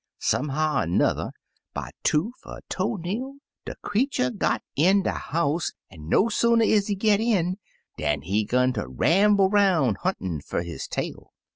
"Somehow er 'nother, by toof er toe nail, de creetur got in de house, an' no sooner is he git in dan he 'gun ter ramble 'roun' huntin' fer his tail.